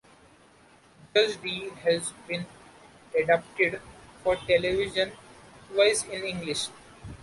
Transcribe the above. Judge Dee has been adapted for television twice in English.